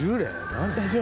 何？